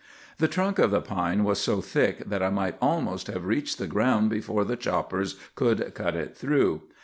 "The trunk of the pine was so thick that I might almost have reached the ground before the choppers could cut it through.